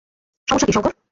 সমস্যা কী, শঙ্কর?